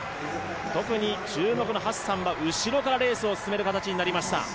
特に注目のハッサンは後ろからレースを進める形になりました。